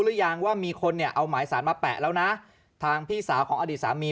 หรือยังว่ามีคนเนี่ยเอาหมายสารมาแปะแล้วนะทางพี่สาวของอดีตสามี